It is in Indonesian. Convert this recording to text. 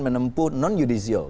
menempuh non yudisial